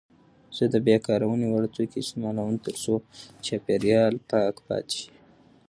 زه د بیاکارونې وړ توکي استعمالوم ترڅو چاپیریال پاک پاتې شي.